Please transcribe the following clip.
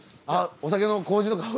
お酒の麹の香りがする。